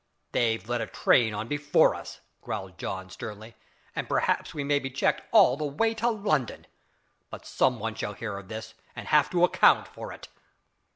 "They've let a train on before us," growled John, sternly, "and p'raps we may be checked all the way to London but some one shall hear of this, an' have to account for it."